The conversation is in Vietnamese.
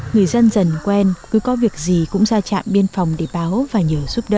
người dân dần quen cứ có việc gì cũng ra trạm biên phòng để báo và nhờ giúp đỡ